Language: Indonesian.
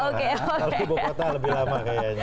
kalau kubu kota lebih lama kayaknya